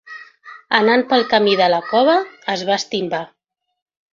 Anant pel camí de la cova es va estimbar.